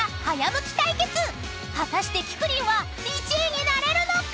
［果たしてきくりんは１位になれるのか⁉］